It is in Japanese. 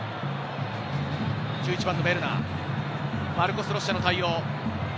１１番のベルナー、マルコス・ロッシャの対応。